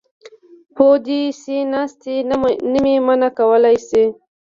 پو دې شي ناستې نه مې منع کولی شي.